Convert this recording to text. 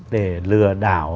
để lừa đảo